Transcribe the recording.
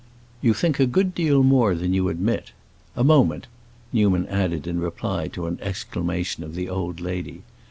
"You think a good deal more than you admit. A moment," Newman added in reply to an exclamation of the old lady.